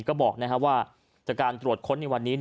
ก็บอกว่าจากการตรวจค้นในวันนี้